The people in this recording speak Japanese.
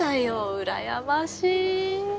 うらやましい。